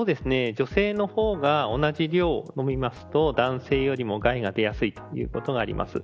女性の方が同じ量を飲むと男性よりも害が出やすいということがあります。